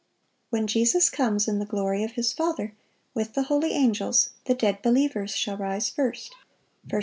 When Jesus comes in the glory of His Father, with the holy angels, ... the dead believers shall rise first.